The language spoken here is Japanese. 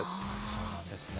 そうなんですね。